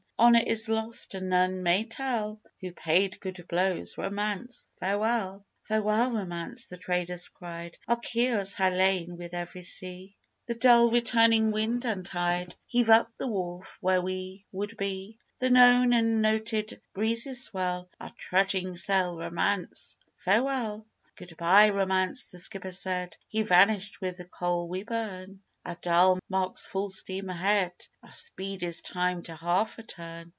Honour is lost, and none may tell Who paid good blows. Romance, farewell!" "Farewell, Romance!" the Traders cried; "Our keels ha' lain with every sea; The dull returning wind and tide Heave up the wharf where we would be; The known and noted breezes swell Our trudging sail. Romance, farewell!" "Good bye, Romance!" the Skipper said; "He vanished with the coal we burn; Our dial marks full steam ahead, Our speed is timed to half a turn.